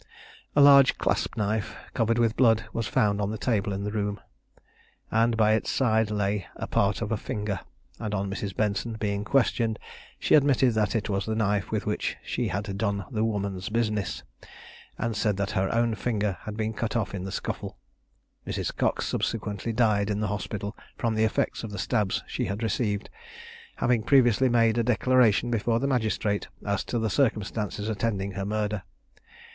A large clasp knife, covered with blood, was found on the table in the room; and by its side lay a part of a finger; and on Mrs. Benson being questioned, she admitted that that was the knife with which "she had done the woman's business;" and said that her own finger had been cut off in the scuffle. Mrs. Cox subsequently died in the hospital, from the effects of the stabs she had received, having previously made a declaration before a magistrate as to the circumstances attending her murder.